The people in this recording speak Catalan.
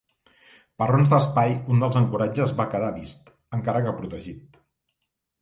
Per raons d'espai, un dels ancoratges va quedar vist, encara que protegit.